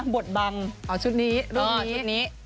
บทบังเอาชุดนี้